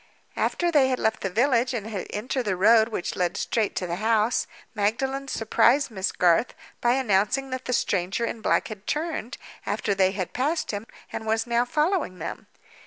After they had left the village, and had entered the road which led straight to the house, Magdalen surprised Miss Garth by announcing that the stranger in black had turned, after they had passed him, and was now following them.